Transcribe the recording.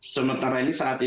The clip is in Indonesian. sementara ini saat ini